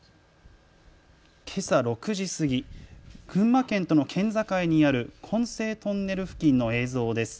けさ６時過ぎ、群馬県との県境にある金精トンネル付近の映像です。